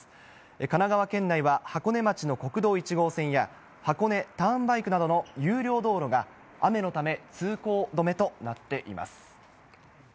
神奈川県内は、箱根町の国道１号線や、箱根ターンバイクなどの有料道路が雨のため、通行止めとなっています。